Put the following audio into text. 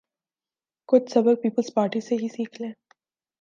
کچھ سبق پیپلزپارٹی سے ہی سیکھ لیں۔